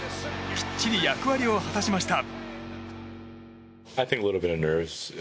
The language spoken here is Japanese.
きっちり役割を果たしました。